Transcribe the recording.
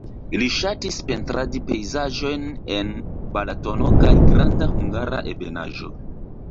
Li ŝatis pentradi pejzaĝojn en Balatono kaj Granda Hungara Ebenaĵo.